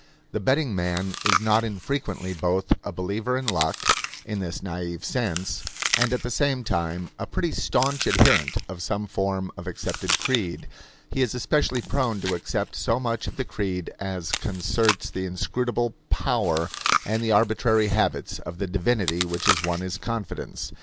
The betting man is not infrequently both a believer in luck, in this naive sense, and at the same time a pretty staunch adherent of some form of accepted creed. He is especially prone to accept so much of the creed as concerts the inscrutable power and the arbitrary habits of the divinity which has won his confidence.